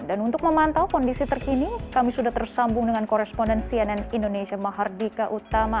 untuk memantau kondisi terkini kami sudah tersambung dengan koresponden cnn indonesia mahardika utama